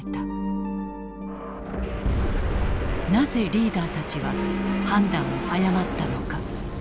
なぜリーダーたちは判断を誤ったのか。